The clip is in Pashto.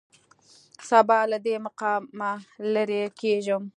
سبا له دې مقامه لېرې کېږم.